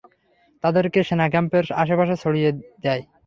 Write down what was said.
তাদেরকে সেনাক্যাম্পের আশে-পাশে ছড়িয়ে দেয়।